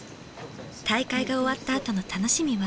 大会が終わったあとの楽しみは？